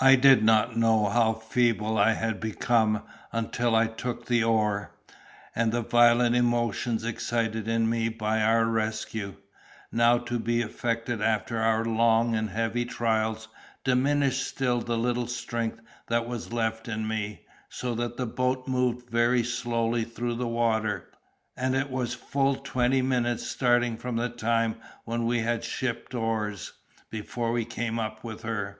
I did not know how feeble I had become until I took the oar; and the violent emotions excited in me by our rescue, now to be effected after our long and heavy trials, diminished still the little strength that was left in me; so that the boat moved very slowly through the water, and it was full twenty minutes starting from the time when we had shipped oars, before we came up with her.